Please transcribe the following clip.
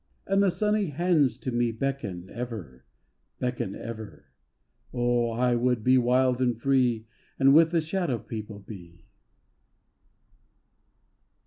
And the sunny hands to me Beckon ever, beckon ever. Oh! I would be wild and free And with the shadow people be.